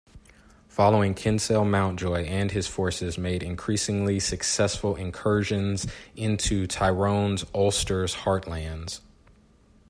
Following Kinsale Mountjoy and his forces made increasingly successful incursions into Tyrone's Ulster heartlands.